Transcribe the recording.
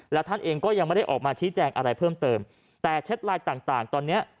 แล้วท่านเองก็ยังไม่ได้ออกมาชี้แจงอะไรเพิ่มเติมแต่แชทไลน์ต่างต่างตอนเนี้ย